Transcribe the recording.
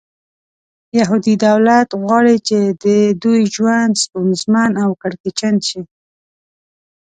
یهودي دولت غواړي چې د دوی ژوند ستونزمن او کړکېچن شي.